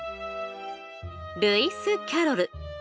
ルイス・キャロル。